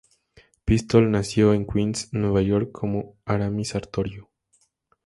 Pistol nació en Queens, Nueva York como Aramis Sartorio.